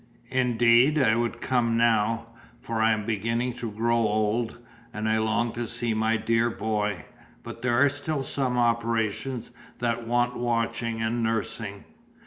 Indeed, I would come now, for I am beginning to grow old, and I long to see my dear boy; but there are still some operations that want watching and nursing.